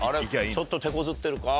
ちょっとてこずってるか？